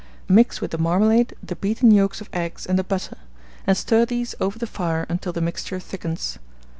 Mix with the marmalade the beaten yolks of eggs and the butter, and stir these over the fire until the mixture thickens.